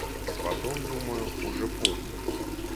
Потом, думаю, уже поздно.